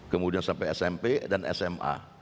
kemudian sampai smp dan sma